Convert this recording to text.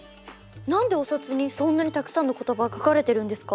何でお札にそんなにたくさんの言葉が書かれているんですか？